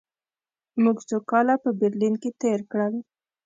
موږ څو کاله په برلین کې تېر کړل